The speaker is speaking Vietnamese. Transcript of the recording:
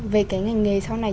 về cái ngành nghề sau này